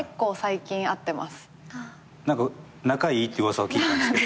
何か仲いいって噂を聞いたんですけど。